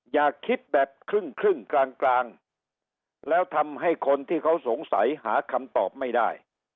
อย่าคิดแบบครึ่งกลางแล้วทำให้คนที่เขาสงสัยหาคำตอบไม่ได้